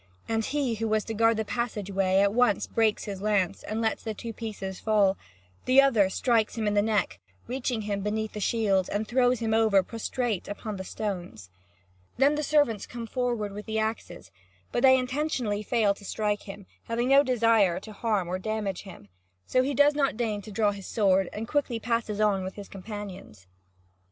And he who was to guard the passage way at once breaks his lance and lets the two pieces fall; the other strikes him in the neck, reaching him beneath the shield, and throws him over prostrate upon the stones. Then the servants come forward with the axes, but they intentionally fail to strike him, having no desire to harm or damage him; so he does not deign to draw his sword, and quickly passes on with his companions.